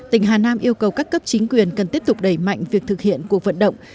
tỉnh hà nam yêu cầu các cấp chính quyền cần tiếp tục đẩy mạnh việc thực hiện cuộc vận động